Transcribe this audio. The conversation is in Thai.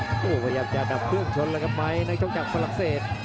โอ้พยายามจะดับเพื่องชนแล้วกับไมค์นักเจ้าจักรฝรั่งเศส